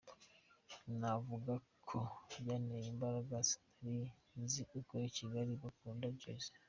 Navuga ko byanteye imbaraga, sinari nzi ko i Kigali bakunda Jazz.